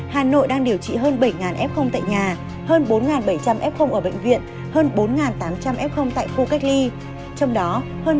hà nội đang điều trị hơn bảy f tại nhà hơn bốn bảy trăm linh f ở bệnh viện hơn bốn tám trăm linh f tại khu cách ly